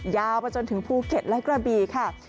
ยาวไปจนถึงภูเก็ตและกระบีค่ะ